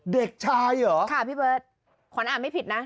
เด็กชายเหรอค่ะพี่เบิร์ตขวัญอ่านไม่ผิดนะ